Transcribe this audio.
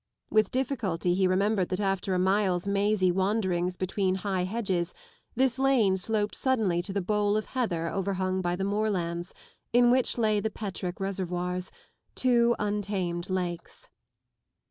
With difficulty he remembered that after a mile's mazy wanderings between high hedges this lane sloped suddenly to the bowl of heather overhung by the moorlands, in which lay the Petrick reservoirs, two untamed lakes.